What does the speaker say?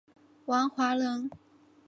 王华人。